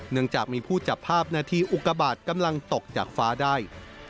เนื่องจากมีผู้จับภาพในที่อุกาบาดกำลังตกจากฟ้าได้